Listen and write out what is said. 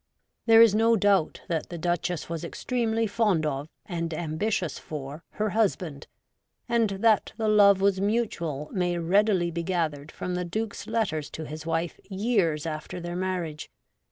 There is no doubt that the Duchess was ex tremely fond of, and ambitious for, her husband ; and that the love was mutual may readily be gathered from the Duke's letters to his wife years after their marriage.